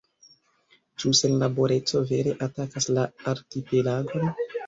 Ĉu senlaboreco vere atakas la arkipelagon?